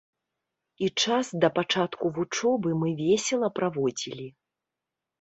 І час да пачатку вучобы мы весела праводзілі.